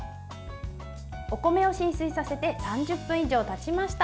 お米を浸水させて３０分以上たちました。